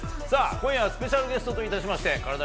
今夜はスペシャルゲストといたしましてカラダ